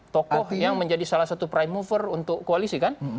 tokoh yang menjadi salah satu prime mover untuk koalisi kan